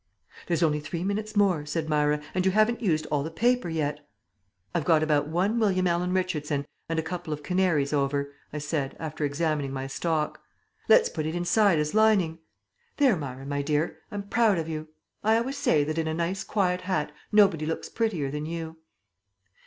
"There's only three minutes more," said Myra, "and you haven't used all the paper yet." "I've got about one William Allan Richardson and a couple of canaries over," I said, after examining my stock. "Let's put it inside as lining. There, Myra, my dear, I'm proud of you. I always say that in a nice quiet hat nobody looks prettier than you."